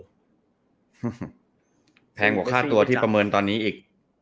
ประมาณ๗๐ล้านยูโรแพงกว่าค่าตัวที่ประเมินตอนนี้อีก